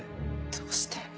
どうして？